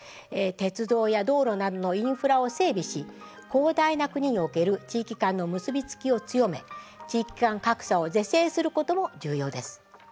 鉄道や道路などのインフラを整備し広大な国における地域間の結び付きを強め地域間格差を是正することも重要です。